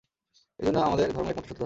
এই জন্য আমাদের ধর্মই একমাত্র সত্যধর্ম।